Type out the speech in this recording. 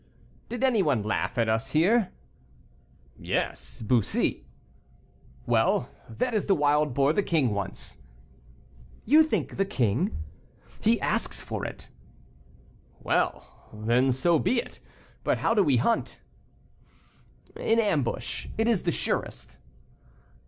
"Did any one laugh at us here?" "Yes, Bussy." "Well, that is the wild boar the king wants." "You think the king " "He asks for it." "Well, then, so be it. But how do we hunt?" "In ambush; it is the surest."